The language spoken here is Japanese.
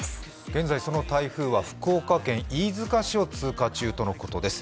現在その台風は福岡県飯塚市を通過中ということです。